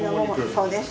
そうです。